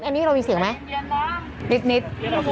อันนี้เรามีเสียงไหมนิด